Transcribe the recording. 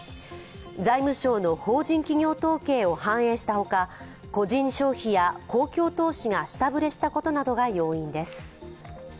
財務省の法人企業統計を反映したほか個人消費や公共投資が下振れしたことなどが要因です。